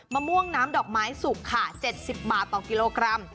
มะม่วงน้ำดอกไม้สุกค่ะ๗๐บาทต่อกิโลกรัม